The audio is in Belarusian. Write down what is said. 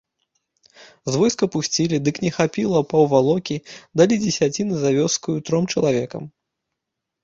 З войска пусцілі, дык не хапіла паўвалокі, далі дзесяціны за вёскаю тром чалавекам.